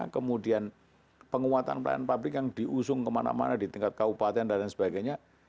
kemudian penguatan pelayanan publik yang diusung kemana mana di tingkat kabupaten dan sebagainya